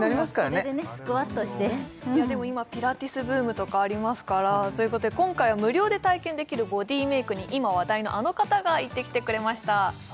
それでねスクワットしてでも今ピラティスブームとかありますからということで今回は無料で体験できるボディメイクに今話題のあの方が行ってきてくれましたさあ